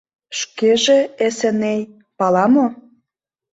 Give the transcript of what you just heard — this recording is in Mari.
Шкеже, Эсеней, пала мо?..